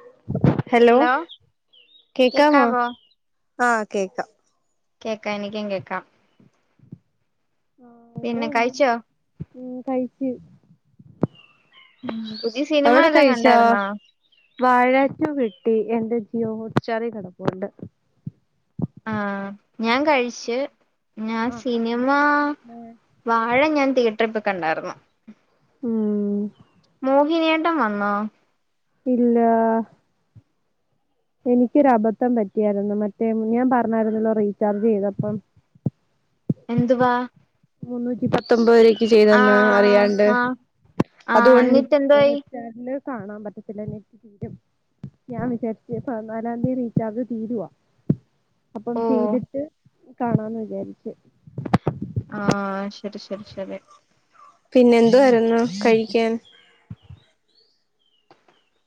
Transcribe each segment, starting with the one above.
[inaudible] Hello കേക്കാമോ കേക്കാവോ ആ കേക്കാം കേക്കാ എനിക്കും കേക്കാം [unintelligible] [inaudible] പിന്നെ കഴിച്ചോ ഉം പുതിയ സിനിമ എവിടെ എല്ലാം കഴിച്ചാ കണ്ടായിരുന്നോ വാ [inaudible] ഴച്ചു കിട്ട ട്ടി എൻറെ ജിയ ഉച്ചറ കിടപ്പുണ്ട് ആ ഞാൻ കഴിച്ചു ഞാ ആഹ് സിനിമ വാഴ ഞാൻ തിയറ്റ- ട്രിപ്പ് കണ്ടായിരുന്നു ഉം മോഹിനിയട്ടം വന്നോ ഇല്ലാ എനിക്കൊരു അബദ്ധം പറ്റിയായിരുന്നു മറ്റേ ഞാൻ പറഞ്ഞായിരുന്നല്ലോ റീചാർജ് ചെയ്തപ്പം എന്തുവാ മുന്നൂറ്റി പത്തൊമ്പത് ചെയ്തന്ന ആഹ് അറിയാണ്ട് ആഹ് ആഹ് അതൊണ്ട് എന്നിട്ട് എന്തായി [unintelligible] കാണാൻ പറ്റത്തില്ലന്നെയു ഞാൻ വിചാരിച്ച് പതിനാലാം തീയതി റീചാർജ് തീരുവാ അപ്പം ഓ ചെയ്തിട്ട് കാണാന്ന് വിചാരിച്ച് ആഹ് ശെരി ശെരി ശെര്യ പിന്നെ എന്തുവാരുന്നു കഴിക്കാൻ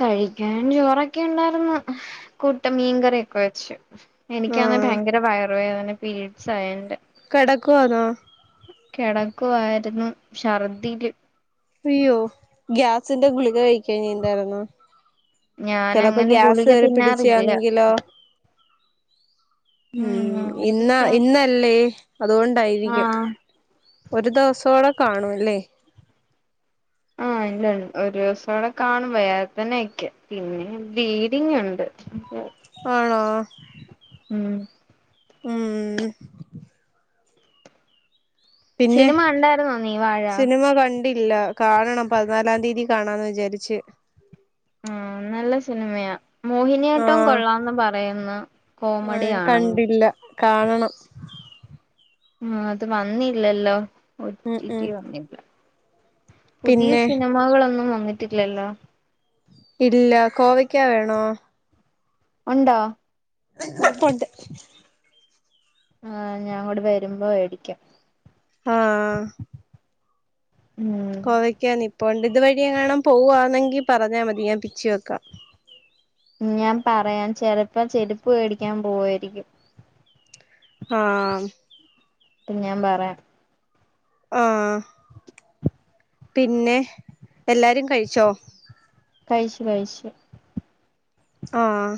കഴിക്കാൻ ചോറൊക്കെ ഉണ്ടായിരുന്നു കുട്ടൻ മീൻകറിയൊക്കെ വെച്ചു എനിക്കാന്നെ ആഹ് ഭയങ്കര വയ വേദന പീരീഡ്സ് ആയെന്റെ - കെടക്കുവാന്നോ കെടക്കുവായിരുന്നു ഷർദ്ദിയില് അയ്യോ ഗ്യാസിന്റെ ഗുളിക കഴിക്ക്യേഞ്ഞീന്താരുന്നോ ചെലപ്പോ ഞാനങ്ങനെ ഗ്യാസ് ഗുളിക കേറി തിന്നാറില്ല പിടിച്ചാന്നെങ്കിലോ ഉം ഇന്ന ഇന്നല്ലേ അതുകൊണ്ടായിരിക്കും ആഹ് ഒരു ദെവസോടെ കാണൂല്ലേ ണ്ട് ഒരു ദേവസം കൂടെ കാണും വേദന ഒക്കെ പിന്നെ ബ്ലീഡിങ് ഉണ്ട് ആണോ ഉം ഉം പിന്നെ സിനിമ കണ്ടായിരുന്നോ നീ വാഴ ഇല്ല കാണണം പതിനാലാം തീയതി കാണാന്ന് വിചാരിച്ചെ ആഹ് നല്ല സിനിമയാ മോഹിനിയാട്ടം ആഹ് കൊള്ളാന്ന് പറയുന്നു കോമഡി ആഹ് ആണെന്ന് കണ്ടില്ല കാണണം ഉം അത് വന്നില്ലല്ലോ ഉം ഉം ഒറ്റിറ്റി വന്നില്ല പുതിയ പിന്നെ സിനിമകളൊന്നും വ വന്നിട്ടില്ലല്ലോ ഇല്ല കോവയ്ക്കാ വേണോ ഉണ്ടോ ഇപ്പോണ്ട് ആ ഞാൻ അങ്ങോട് വരുമ്പോ വേടിക്കാം ആഹ് ഉം കോവയ്ക്കാ [unintelligible] ഇപ്പണ്ട് ഇത് വഴിയെങ്ങാനും പോവാന്നെങ്കി പറഞ്ഞാ മതി ഞാൻ പിച്ചി വെക്കാം ഞാൻ പറയാൻ ചെലപ്പ ചെരുപ്പ് മേടിക്കാൻ പോവായിരിക്കും. ആ അപ്പ ഞാൻ പറയാം. ആഹ് പിന്നെ എല്ലാരും കഴിച്ചോ. കഴിച്ചു കഴിച്ചു ആഹ്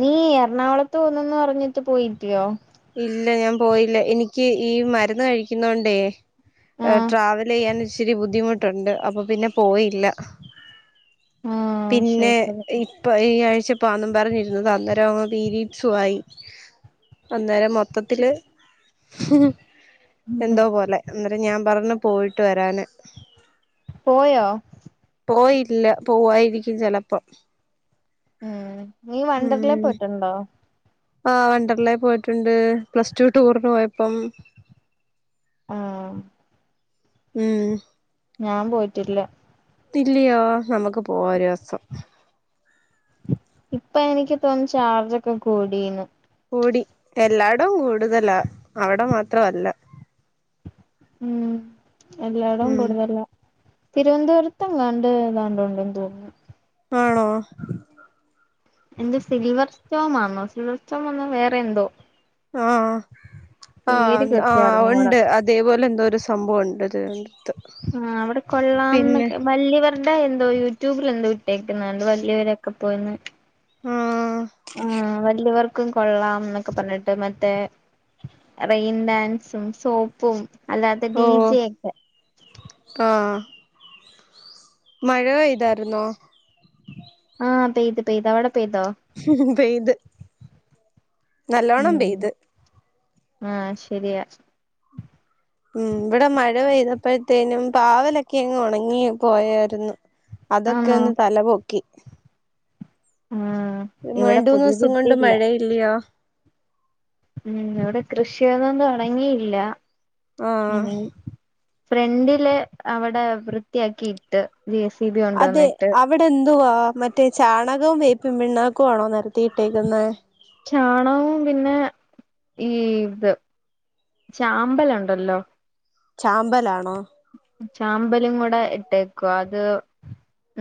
നീ എറണാകുളത്ത് പോകുന്നെന്ന് പറഞ്ഞിട്ട് പോയില്ലയോ. ഇല്ല ഞാൻ പോയില്ല എനിക്ക് ഈ മരുന്ന് കഴിക്കുന്നോണ്ടേ. ആഹ് ട്രാവല് ചെയ്യാൻ ഒരു. ഇച്ചിരി ബുദ്ധിമുട്ടുണ്ട് അപ്പൊ പിന്നെ പോയില്ല. ആഹ് ശരി പിന്നെ ശരി ഇപ്പൊ ഈ ആഴ്ച. പോകാന്നും പറഞ്ഞിരുന്നതാ അന്നേരം പിരീഡ്സുമായി. അന്നേരം മൊത്തത്തില്. ഉം എന്തോ പോലെ എന്നേരം ഞാൻ. പറഞ്ഞു പോയിട്ട് വരാന്. പോയോ പോയില്ല പോവായിരിക്കും ചെലപ്പം. ഉം നീ വണ്ടർലേ ഉം പോയിട്ടുണ്ടോ. ആഹ് വണ്ടർലേ. പോയിട്ടുണ്ട് പ്ലസ് ടു ടൂറിന് പോയപ്പം. ആഹ് ഉം ഞാൻ പോയിട്ടില്ല. ത്ത്ല്ലയോ നമ്മക്ക് പോവാ ഒരുവസം ഇപ്പൊ എനിക്ക് തോന്നു ചാർജൊക്കെ കൂടീന്ന് കൂടി എല്ലാടും കൂടുതലാ അവിടെ മാത്രം അല്ല ഉം എല്ലാടവും കൂടുതലാ തിരുവനന്തപുരത്ത് എങ്ങാണ്ട് ഏതാണ്ട് ഉണ്ടെന്ന് തോന്നുന്നു ആണോ എന്ത്‌ സിൽവർ സ് റ്റോം ആന്നോ സിൽവർ സ്റ്റോം [unintelligible] വേറെ എന്തോ ആ ആ പേര് ആ കൃത്യം ആ അറിഞ്ഞൂടാ ഉണ്ട് അതേപോലെ എന്തോ ഒരു സംഭവം ഒണ്ട് അതെണ്ട് ആ അവിടെ കൊള്ളാംന്നൊക്കെ വല്ല്യവര്ടെ എൻ - ന്തോ യൂട്യൂബിൽ എന്തോ ഇട്ടേക്ക്ന്ന കണ്ടു വലിയവരൊക്കെ പോയിന്ന് ആഹ് ആ വല്ല്യവർ ക്കും കൊള്ളാം ന്നൊക്കെ പറഞ്ഞിട്ട് മറ്റേ റെയിൻ ഡാൻസും സോപ്പും അല്ലാത്ത ഡി ഓഹ് ജെ ക്കെ ആഹ് മഴ പെയ്തായിരുന്നോ ആ പെയ്ത് പെയ്ത് അവിടെ പെയ്തോ പെയ്ത് നല്ലോണ്ണം പെയ്ത് ആ ശരിയാ ഉ ഇവിടെ മഴ പെയ്തപ്പോഴത്തേനും പാവലൊക്കെ അങ്ങ് ഉണങ്ങി പോയായിരുന്നു അതൊക്കെ ആന്നോ ഒന്ന് തലപൊക്കി ആഹ് രണ്ട് ഇവിടെ മൂന്ന് പുതിയത് ദിവസം കൊണ്ട് ഇട്ടില്ല മഴയില്ല്യ ഉം ഇവിടെ കൃഷിയന്നൊന്നും തുടങ്ങിയില്ല ആ ഇനി ഫ്രണ്ടില് അവിടെ വൃത്തിയാക്കിയിട്ട് ജെ സി ബി അതെ കൊണ്ടോന്നിട്ട് അവിടെ എന്തുവാ മറ്റേ ചാണകവും വേപ്പിൻ പിണ്ണാക്കും ആണോ നെരത്തിയിട്ടേക്കുന്നേ ചാണവും പിന്നെ ഈ ഇത് ചാമ്പലുണ്ടല്ലോ. ചാമ്പലാണോ? ചാമ്പലും കൂടെ ഇട്ടേക്കുവാ. അത്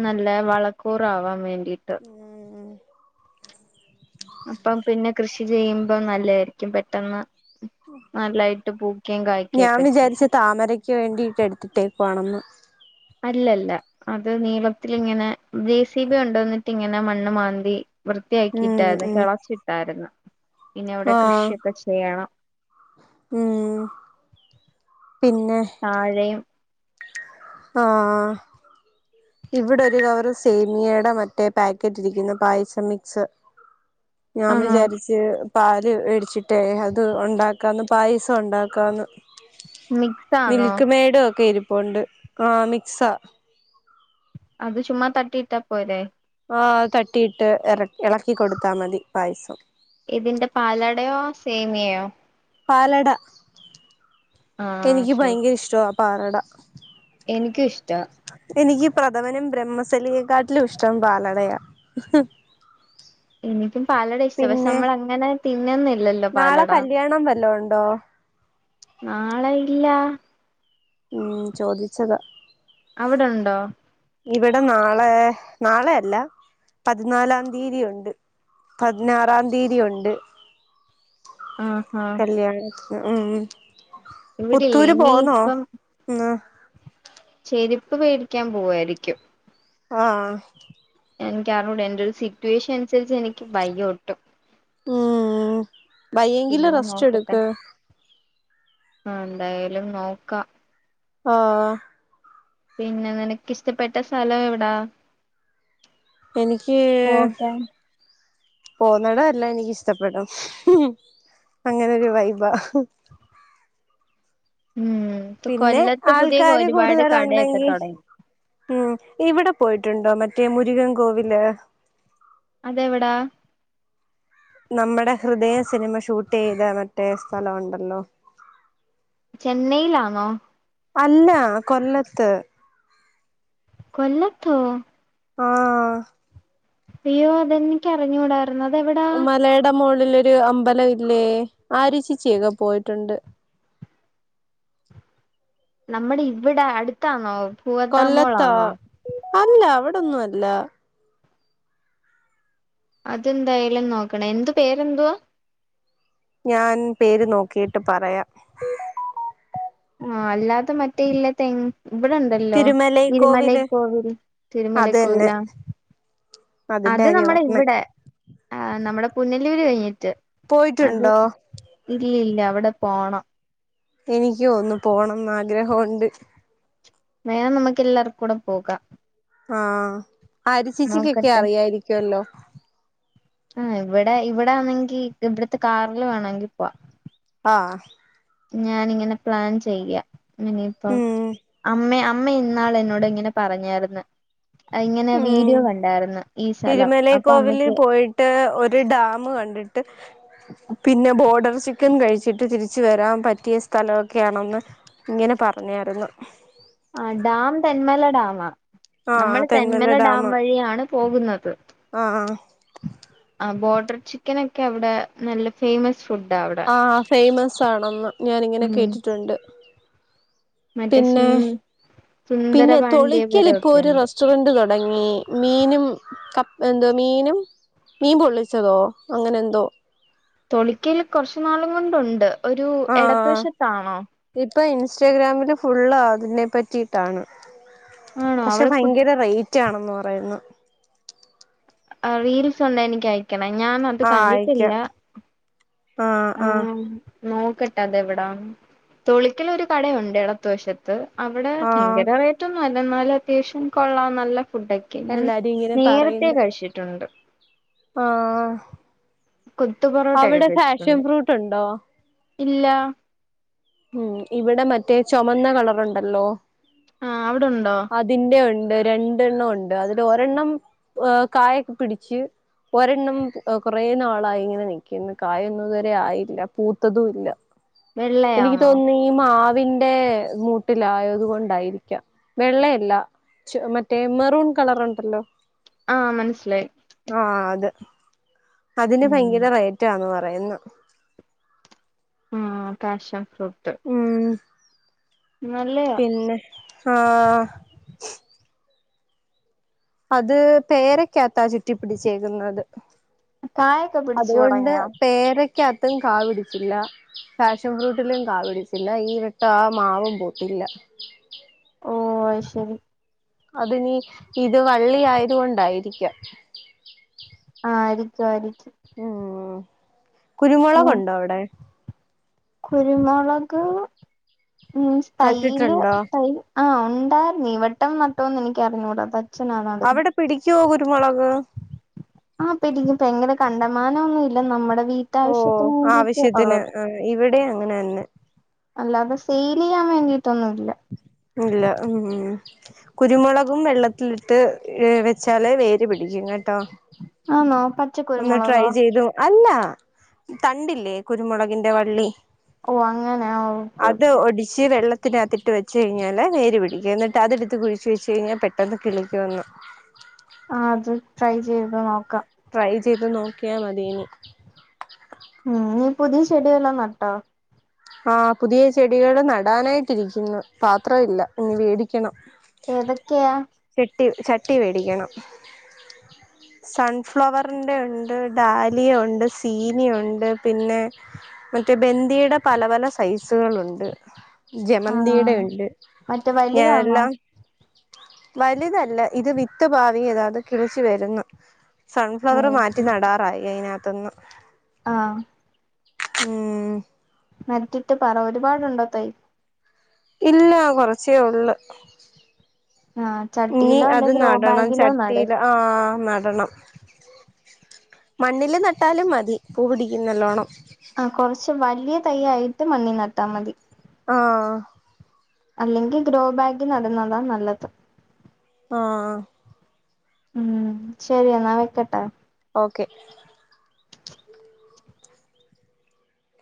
നല്ല വളക്കൂറാവാൻ വേണ്ടി. ഇട്ട്. ഉം അപ്പം പിന്നെ കൃഷി ചെയ്യുമ്പ നല്ലതായിരിക്കും പെട്ടെന്ന്. നല്ലായിട്ട് പൂക്കുകയും ഞാൻ കായ്ക്കുകയൊക്കെ ചെയ്യും വിചാരിച്ച് താമരക്ക് വേണ്ടിട്ട് എടുത്തിട്ടേക്ക്വാണെന്ന്. അല്ലല്ല. അത് നീളത്തിൽ ഇങ്ങനെ ജെസിബി ഉണ്ടോന്നിട്ട് ഇങ്ങനെ മണ്ണ് മാന്തി. ഉം വൃത്തിയാക്കിയിട്ടായിരുന്നു. ഉം കിളച്ചിട്ടായിരുന്നു. ഇനി അവിടെ ആഹ് കൃഷിയൊക്കെ ചെയ്യണം ഉം പിന്നെ താഴെയും. ആ ഇവിടെ ഒരു കവറ് സേമിയയുടെ മറ്റേ പാക്കറ്റ് ഇരിക്കുന്നു പായസം മിക്സ്. ഞാൻ ആണോ വിചാരിച്ച് പാല് മേടിച്ചിട്ട് അത് ഉണ്ടാക്കാന്ന് പായസം ഉണ്ടാക്കാന്ന്. മിക്സ് ആണോ മിൽക്ക് മേഡു ഒക്കെ ഇരി പേണ്ട്. ആ മിക്സാ അത് ചുമ്മാ തട്ടിയിട്ടാ പോരെ. ആ അത് തട്ടിയിട്ട് ഇറക്കി ഇളക്കി കൊടുത്താൽ മതി പായസം ഇതിന്റെ പാലാടയോ സേമിയയോ. പാലട ആഹ് എനിക്ക് ശരി ഭയങ്കര ഇഷ്ടമാ. പാലട എനിക്കും ഇഷ്ടാ. എനിക്ക് പ്രഥമനും ബ്രഹ്മസലിയെക്കാട്ടിലും ഇഷ്ടം പാലടയ. എനിക്കും പാലട ഇഷ്ടാ, പക്ഷെ നമ്മൾ അങ്ങനെ തിന്നൊന്നും ഇല്ലല്ലോ നാളെ പാലട. കല്യാണം വല്ലോം ഉണ്ടോ നാളെ ഇല്ല. ഉം ചോദിച്ചതാ അവിടെ ഉണ്ടോ. ഇവിടെ നാളെ നാളെ അല്ല പതിനാലാം തീയതി ഉണ്ട് പതിനാറാം തീയതി ഉണ്ട് ആഹ് ഹ കല്യാണത്തിന് ഉം പുത്തൂര് പോന്നോ ഇനിയിപ്പം ങ്ങ ചെരിപ്പ് മേടിക്കാൻ പോവായിരിക്കും. ആഹ് എനിക്ക് അറിഞ്ഞൂട എന്റെ ഒരു സിറ്റുവേഷൻ അനുസരിച്ച് എനിക്ക് വയ്യ ഒട്ടും. ഉം വയ്യങ്കില് പിന്നെ റസ്റ്റ് നോക്കട്ടെ എടുക്ക്. ആ എന്തായാലും നോക്കാം. ആഹ് പിന്നെ നിനക്കിഷ്ടപ്പെട്ട സ്ഥലം എവിടാ? എനിക്ക് പോകാൻ പോന്നിട എല്ലാം എനിക്ക് ഇഷ്ടപ്പെടും അങ്ങനൊരു വൈബാ. ഉം ഇപ്പൊ പിന്നെ കൊല്ലത്ത് പുതിയ ആൾക്കാര് ഒരുപാട് കടയൊക്കെ കൂടുതലുണ്ടെങ്കി തൊടങ്ങി ഉം ഇവട് പോയിട്ടുണ്ടോ മറ്റേ മുരുകൻ കോവില് അതെവിടാ നമ്മടെ ഹൃദയ സിനിമ ഷൂട്ട് ചെയ്ത മറ്റേ സ്ഥലൊണ്ടല്ലോ ചെന്നൈയിലാന്നോ? അല്ലാ കൊല്ലത്ത്. കൊല്ലത്തോ ആഹ് അയ്യോ അതെനിക്ക അറിഞ്ഞൂടാ മലട മോ ഒരു അമ്പല ഇല്ലേ ആരി ചെച്ചി പോയിട്ടുണ്ട് നമ്മടെ ഇവിടെ അടുത്താന്നോ? പൂവത്താ കൊല്ലത്താ മോളാന്നോ അല്ല അവിടൊന്നും അല്ല. അതെന്തായാലും നോക്കണെ എന്ത് പേരെന്തുവാ ഞാൻ പേര് നോക്കിട്ട് പറയാം ആ അല്ലാതെ മറ്റേ ഇല്ല തെങ്ങ് ഇവിടുണ്ടല്ലോ തിരുമലൈ കോവില് തിരുമലെക്കോവിൽ അത് തന്നെ തിരുമലെക്കോവിലാ അതിന്റെ അത് കാര്യ നമ്മടെ പറഞ്ഞേ ഇവിടെ ആ നമ്മടെ പുനലൂര്കഴി പോയിട്ടുണ്ടോ ഇല്ലില്ല അവിടെ പോണം എനിക്ക് ഒന്ന് പോണം ന്നാ ഗ്രഹവൊണ്ട് വേണം നമുക്ക് എല്ലാവർക്കൂടെ പോകാം ആ ആര്യച്ചേച്ചിക്കിക്കെ നോക്കട്ടെ അറിയായിരിക്കുവല്ലോ ആ ഇവിടെ ഇവിടെ ആന്നെങ്കി ഇവിടത്തെ കാറില് വേണമെങ്കി പോവാ താ ഞാനിങ്ങനെ പ്ലാൻ ചെയ്യ ഇനിയിപ്പം ഉം അമ്മേ അമ്മ ഇന്നാളെന്നോട് ഇങ്ങനെ പറഞ്ഞാർന്ന് ഉം സ്ഥലം അപ്പൊ തിരുമലൈക്കോവിലിൽ അമ്മയ്ക്ക് പോയിട്ട് ഒരു ഡാമു കണ്ടിട്ട് പിന്നെ ബോഡറ് ചിക്കന് കഴിച്ചിട്ട് തിരിച്ച് വരാൻ പറ്റിയ സ്ഥലമൊക്കെയാണെന്ന് ഇങ്ങനെ പറഞ്ഞാരുന്നു അ നമ്മൾ തെന്മല ഡാം വഴിയാണ് പോകുന്നത് ആ ആ ബോ ട്ടർ ചിക്കനൊക്കെ അവിടെ നല്ല ഫേമസ് ഫുഡാ അവിടെ ആ ഫേമസ് ആണെന്ന് ഞാനിങ്ങനെ ഉം കേട്ടിട്ടുണ്ട് മറ്റേ സു പിന്നെ സുന്ദര പിന്നെ തൊളിക്കൽ ഇപ്പോ പാണ്ഡ്യപുരമൊക്കെ ഒരു ഉണ്ട് റെസ്റ്റോറന്റ് തുടങ്ങി മീനും എന്തോ മീനും മീൻ പൊള്ളിച്ചതോ അങ്ങനെ എന്തോ തോളിക്കൽ കുറച്ചു നാളും കൊണ്ടുണ്ട് ഒരു എടത്ത് വശത്താണോ ഇപ്പം ഇൻസ്റ്റാഗ്രാമില് ഫുള്ള് അതിനെപ്പറ്റിയിട്ടാണ് ആണോ പക്ഷെ അവിടെ കു ഭയങ്കര റൈറ്റ് റ്റ ആണെന്ന് പറയുന്നു ആ റീൽസ് ഉണ്ട എനക്ക്‌ ആയി ക്കണം ഞാൻ അത് ആഹ് കണ്ടിട്ടില്ല അയക്കാം ആഹ് ആ ആഹ് നോക്ക ട്ടെ അതെ എവിട തൊളിക്കൽ ഒരു കടയുണ്ട് ഇടത്ത് വശത്ത് അവിടെ ആഹ് ഭയങ്കര റേറ്റ ആല്ല എന്നാലും അത്യാവശ്യം കൊള്ളാം നല്ല ഫുഡൊക്കെ ഞാൻ എല്ലാരും ഇങ്ങനെ നേരത്തെേ പറയുന്നു കഴിച്ചിട്ടുണ്ട് ആഹ് കുത്തു പൊറാട്ട ഒക്കെ കഴിച്ചു ഫേഷൻ ഫ്രൂട്ട് ഉണ്ടോ ഇല്ല ഉം ഇവിടെ മറ്റേ ചുമന്ന കളറുണ്ടല്ലോ ആഹ് അവിടുണ്ടോ അതിന്റെ ഉണ്ട് ണ്ട് രണ്ടെണ്ണം ഉണ്ട് അതില് ഒരെണ്ണം ഏ കായൊക്കെ പിടിച്ച് ഒരെണ്ണം കുറെ നാളായി ഇങ്ങനെ നക്കിന്ന് കായൊന്നും ഇതുവരെ ആയില്ല പൂത്തതും ഇല്ല എനിക്ക് വെള്ളയാണോ തോന്നുന്നു ഈ മാ വ്ന്റെ മൂട്ടിലായത് കൊണ്ടായിരിക്കാം വെള്ളയല്ല ച് മറ്റേ മെറൂൺ കളറ് ഇണ്ടല്ലോ ആഹ് മനസ്സിലായി ആ അതെ അതിന് ഉം ഭയങ്കര റേറ്റാന്ന് പറയുന്നു ഉം കാഷൻ ഫ്രൂട്ട് ഉം നല്ലയാ പിന്നെ ആഹ് അത് പേരക്ക ത്ത ചുറ്റിപ്പിടിച്ചേക്കുന്നത് കായൊക്കെ പിടിച്ചു അതുകൊണ്ട് തുടങ്ങിയോ പേര ക്ക അത്തും കാ പിടിച്ചില്ല ഫാഷൻ ഫ്രൂട്ടിലും കാ പിടിച്ചില്ല ഈ ട്ട ആ മാവും പൂത്തില്ല ഓ അഹ് ശരി അതി ഇനി ഇത് വള്ളി ആയത് കൊണ്ടായിരിക്കാം ആ ആയിരിക്കും ആയിരിക്കും ആ ഉം കുരുമുളക് ഉം ണ്ടോ അവിടെ കുരുമുളക് തൈയില് നട്ടിട്ടുണ്ടോ തൈ ആഹ് ഇ ഈവട്ടം നട്ടോന്ന് എനിക്കറിഞ്ഞൂടാ അച്ചനാ നടുന്നത് അവിടെ പിടിക്കുവോ കുരുമുളക് ആഹ് പിടിക്കും ഭയങ്കര കണ്ടമാനം ഒന്നും ഇല്ല നമ്മടെ ഓ വീട്ടാവശ്യത്തിന് വേണ്ടിട്ട് ആവശ്യത്തിന് ഉള്ളത് ഇവിടെ അങ്ങനെ തന്നെ അല്ലാതെ സെ ചെയ്യാൻ വേണ്ടിയിട്ടൊന്നുല്ല ഇല്ല ഉം കുരുമുളകും വെള്ളത്തിലിട്ട് വെച്ചാലേ വേര് പിടിക്കും കേ ട്ടോ ആന്നോ ഒന്ന് ട്രൈ പച്ചക്കുരുമുളകോ ചെയ്തു അല്ല തണ്ടില്ലേ കുരുമുളകിന്റെ വള്ളി ഓ അങ്ങനെ ഓക്കെ ഓക്കെ ത്തനാത്തിട്ട് വെ വെച്ച് കഴിഞ്ഞാ വേര് പിടിക്കും എന്നിട്ട് അത് എടുത്ത് കുഴിച്ചു വെച്ച് കഴിഞ്ഞാൽ പെട്ടെന്ന് കിളിക്കുവെന്ന് ആ അത് ട്രൈ ചെയ്ത് നോക്കാം ട്രൈ ചെയ്ത് നോക്കിയാ മതീന്ന് ഉം നീ പുതിയ ചെടി വല്ലോം നട്ടോ ആ പുതിയ ചെടികള് നടാനായിട്ട് ഇരിക്കുന്നു പാത്രം ഇല്ല ഇനി വേടിക്കണം ഏതൊക്കെയാ ചട്ടി ചട്ടി വേടിക്കണം സൺഫ്ലവറിന്റെ ഉണ്ട് ഡാലിയ ഒണ്ട് സീനിയ ഒണ്ട് പിന്നെ മറ്റേ ബന്ദിയുടെ പല പല സൈസുകളുണ്ട് ആ ജമന്തിടെ ഉണ്ട് മറ്റേ വലുതാന്നോ ഞാനെല്ലാം വലുതല്ല ഇത് വിത്ത് പാവിയതാ അത് കിളിച്ചു വരുന്നു സൺഫ്ലവർ മാറ്റി നടാറായി അയിന തന്ന് ആ ഉം നട്ടിട്ട് പറ ഒരുപാടുണ്ടോ തൈ ഇല്ല കൊറച്ചേ ഉള്ളു ആ ഇനി ചട്ടിയിലോ അത് അല്ലെ ഗ്രോ നടണം ബാഗിലോ നട് ചട്ടിൽ ആഹ നട ടണം മണ്ണില് നട്ടാലും മതി പൂ പിടിക്കും നല്ലോണം ആ കുറച്ച് വലിയ തൈയായിട്ട് മണ്ണി നട്ടാ മതി ആഹ അല്ലെങ്കിൽ ഗ്രോബാഗിൽ നടന്നതാ നല്ലത് ആഹ ഉം ശരിയെന്നാ വെക്കട്ടെ ഓക്കെ